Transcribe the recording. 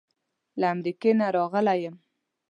له امریکې نه راغلی یم.